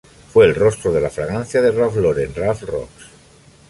Fue el rostro de la fragancia de Ralph Lauren, Ralph Rocks.